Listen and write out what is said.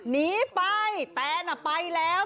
นี้ไปแต้นอะไปแล้ว